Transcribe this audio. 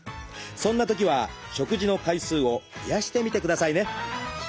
そんなときは食事の回数を増やしてみてくださいね。